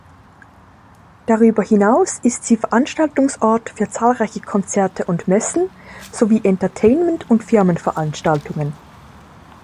Darüber hinaus ist sie Veranstaltungsort für zahlreiche Konzerte und Messen sowie Entertainment- und Firmenveranstaltungen.